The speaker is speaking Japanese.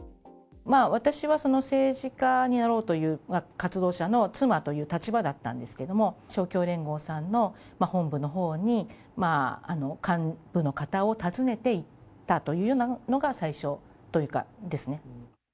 私はその政治家になろうという活動者の妻という立場だったんですけども、勝共連合さんの本部のほうに幹部の方を訪ねていったというようなのが最初というか、ですね。